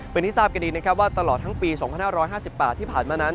เป็นที่ทราบกันดีนะครับว่าตลอดทั้งปี๒๕๕๘ที่ผ่านมานั้น